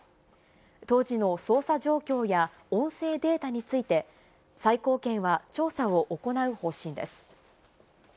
当時の捜査状況や音声データについて、最高検は調査を行う方針です。